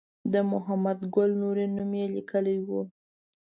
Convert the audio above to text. د محمد ګل نوري نوم لیکلی و.